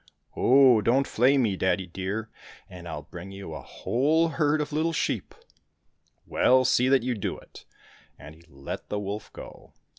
—" Oh ! don't flay me, daddy dear, and I'll bring you a whole herd of little sheep." —" Well, see that you do it," and he let the wolf go.